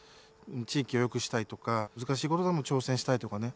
地域をよくしたいとか難しいことでも挑戦したいとかね。